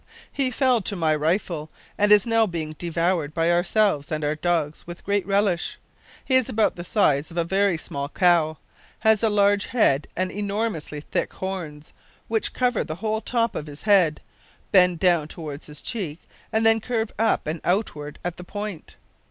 He fell to my rifle, and is now being devoured by ourselves and our dogs with great relish. He is about the size of a very small cow; has a large head and enormously thick horns, which cover the whole top of his head, bend down toward his cheeks, and then curve up and outward at the point.